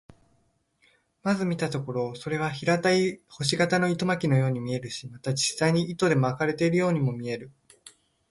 まず見たところ、それは平たい星形の糸巻のように見えるし、また実際に糸で巻かれているようにも見える。